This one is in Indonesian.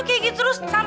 dia kan keren